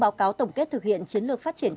báo cáo tổng kết thực hiện chiến lược phát triển